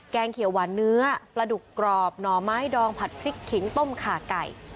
งเขียวหวานเนื้อปลาดุกกรอบหน่อไม้ดองผัดพริกขิงต้มขาไก่